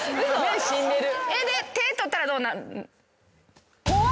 で手ぇ取ったらどうなる？